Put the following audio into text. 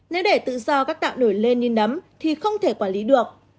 nếu để tự do các tạo nổi lên như nấm thì không thể quản lý được